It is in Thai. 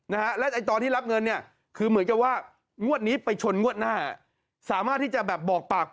ไม่ใช่ประสบการณ์ที่เราเล่าให้ฟัง